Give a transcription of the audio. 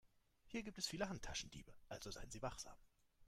Hier gibt es viele Handtaschendiebe, also seien Sie wachsam.